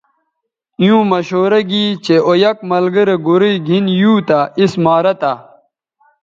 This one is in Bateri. ایووں مشورہ گی چہء او یک ملگرے گورئ گِھن یُو تہ اس مارہ تھہ